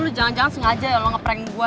lo jangan jangan sengaja ya lo ngeprank gue